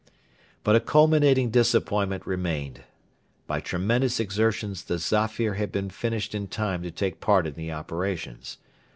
But a culminating disappointment remained. By tremendous exertions the Zafir had been finished in time to take part in the operations.